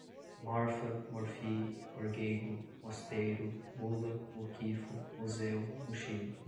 morfa, morfi, morgêgo, mosteiro, mula, muquifo, museu, muxiba